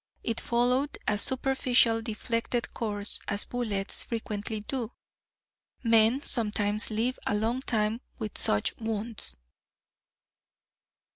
It followed a superficial deflected course, as bullets frequently do. Men sometimes live a long time with such wounds."